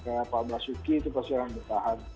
kayak pak mbak suki itu pasti yang bertahan